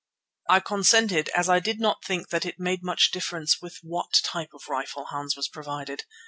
I consented as I did not think that it made much difference with what kind of rifle Hans was provided.